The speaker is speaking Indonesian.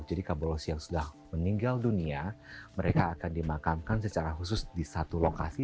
jadi kabolosi yang sudah meninggal dunia mereka akan dimakamkan secara khusus di satu lokasi